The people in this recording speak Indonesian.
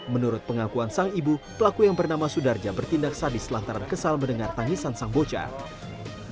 menurut pengakuan sang ibu pelaku yang bernama sudarja bertindak sadis lantaran kesal mendengar tangisan sang bocah